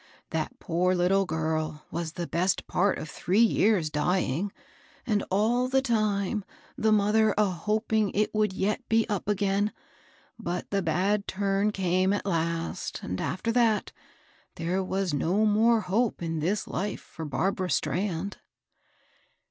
That poor Uttle girl was the best part of three years dying, and all the time the mother a hoping it would yet be up again ; but the bad turn came at last, and, after that, there was no more hope in this life for Barbara Strand."